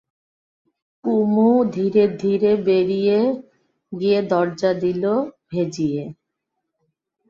কুমু ধীরে ধীরে বেরিয়ে গিয়ে দরজা দিল ভেজিয়ে।